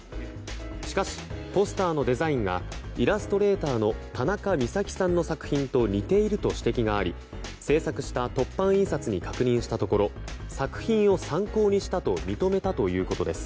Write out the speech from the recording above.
しかしポスターのデザインがイラストレーターのたなかみさきさんの作品と似ていると指摘があり制作した凸版印刷に確認したところ作品を参考にしたと認めたということです。